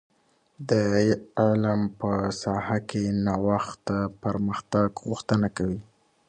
د علم په ساحه کي نوښت د پرمختګ غوښتنه کوي.